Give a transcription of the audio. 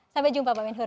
sampai jumpa pak benhur